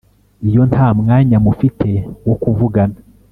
iyo nta mwanya mufite wo kuvugana,